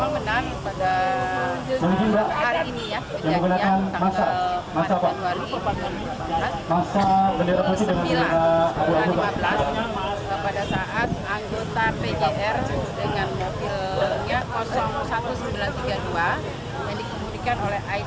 ketika berlaku pos pagi di ramcikunir tiga aramcikampek